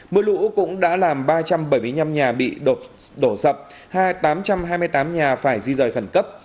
mưa lũ cũng đã làm ba trăm bảy mươi năm nhà bị đổ sập tám trăm hai mươi tám nhà phải di rời khẩn cấp